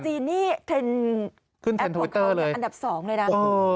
จีนนี่เทนแอปของเขาอันดับ๒เลยนะครับ